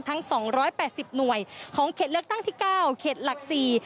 ทั้ง๒๘๐หน่วยของเขตเลือกตั้งที่๙เขตหลักศรี